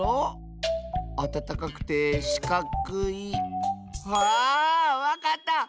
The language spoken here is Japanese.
あたたかくてしかくいあぁわかった！